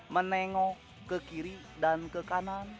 menengok ke kiri dan ke kanan